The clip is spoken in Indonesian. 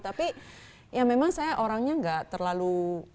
tapi ya memang saya orangnya nggak terlalu